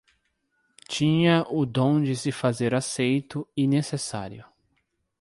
Tinha o dom de se fazer aceito e necessário;